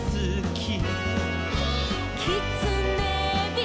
「きつねび」「」